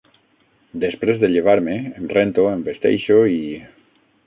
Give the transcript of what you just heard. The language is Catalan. Després de llevar-me, em rento, em vesteixo i [...].